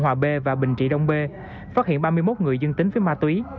công an quận bình hương hòa b và bình trị đông b phát hiện ba mươi một người dương tính với ma túy